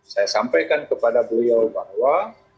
saya sampaikan kepada beliau bahwa